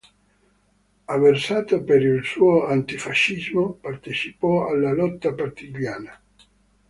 Avversato per il suo antifascismo, partecipò alla lotta partigiana.